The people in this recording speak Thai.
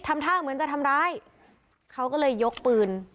ทำท่าเหมือนจะทำร้ายเขาก็เลยยกปืน